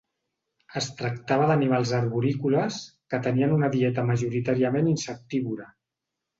Es tractava d'animals arborícoles que tenien una dieta majoritàriament insectívora.